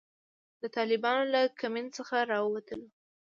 د طالبانو له کمین څخه را ووتلو.